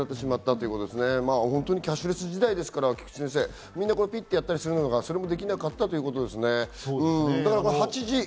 キャッシュレス時代ですから、菊地先生、みんなピッてやったりするのがそれもできなかったということですね。